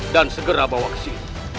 dan segera bawa ke sini